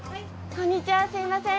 こんにちはすみません